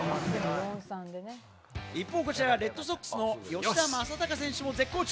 一方、こちらレッドソックスの吉田正尚選手も絶好調。